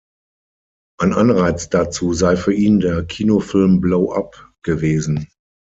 Ein Anreiz dazu sei für ihn der Kinofilm Blow Up gewesen.